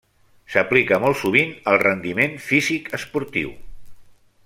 S’aplica molt sovint al rendiment físic esportiu.